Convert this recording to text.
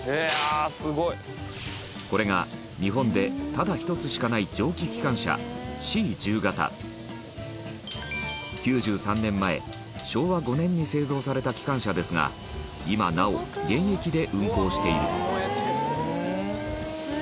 これが、日本でただ一つしかない蒸気機関車Ｃ１０形９３年前、昭和５年に製造された機関車ですが今なお現役で運行しています